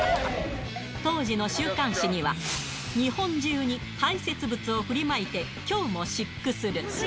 当時の週刊誌には、日本中に排せつ物を振りまいてきょうも疾駆する。